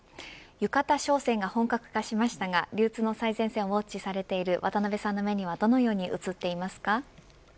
浴衣商戦が本格化しましたが流通の最前線をウオッチしている渡辺さんの目にはどのように映っていますか。